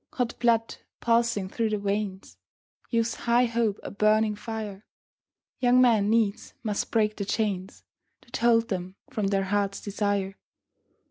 Hot blood pulsing through the veins, Youth's high hope a burning fire, Young men needs must break the chains That hold them from their hearts' desire.